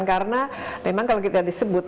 karena memang kalau kita disebut